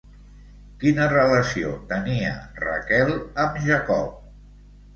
Quina relació tenia Raquel amb Jacob?